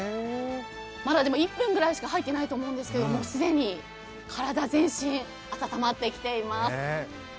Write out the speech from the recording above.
まだ１分くらいしか入ってないと思うんですが、既に全身、温まってきています。